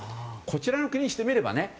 こちらの国にしてみればね